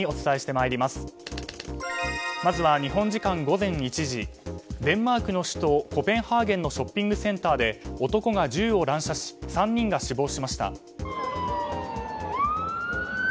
まずは日本時間午前１時デンマークの首都コペンハーゲンのショッピングセンターで男が銃を乱射し３人が死亡しました。